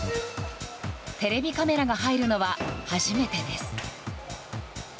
テレビカメラが入るのは初めてです。